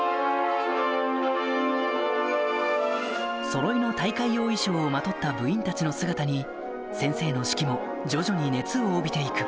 そろいの大会用衣装をまとった部員たちの姿に先生の指揮も徐々に熱を帯びて行く